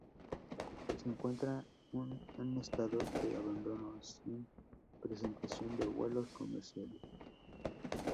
Se encuentra en estado de abandono sin prestación de vuelos comerciales.